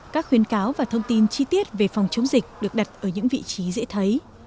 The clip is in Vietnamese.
các khuyến cáo và thông tin chi tiết về phòng chống dịch được đặt ở những vị trí dễ thấy